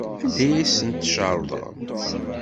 Anda ay asen-tcerḍem?